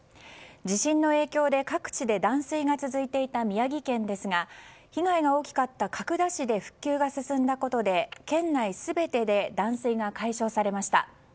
地震の影響で各地で断水が続いていた宮城県ですが被害が大きかった角田市で復旧が進んだことで県内全てで断水が解消されました。